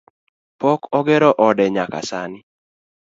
Pok ogero ode nyaka sani